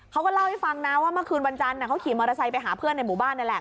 เขาก็เล่าให้ฟังนะว่าเมื่อคืนวันจันทร์เขาขี่มอเตอร์ไซค์ไปหาเพื่อนในหมู่บ้านนี่แหละ